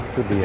oh itu dia